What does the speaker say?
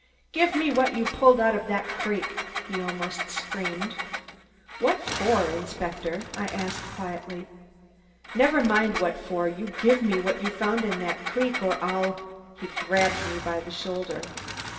"Give me what you pulled out of that creek!" he almost screamed. "What for, Inspector?" I asked quietly. "Never mind what for. You give me what you found in that creek, or I'll " he grabbed me by the shoulder.